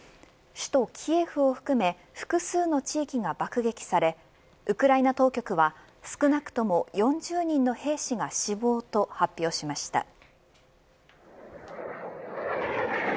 首都キエフを含め複数の地域が爆撃されウクライナ当局は少なくとも４０人の兵士が死亡と発表しました。